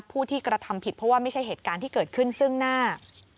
ผู้ที่กระทำผิดเพราะว่าไม่ใช่เหตุการณ์ที่เกิดขึ้นซึ่งหน้า